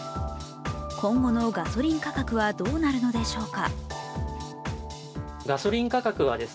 今後のガソリン価格はどうなるのでしょうか。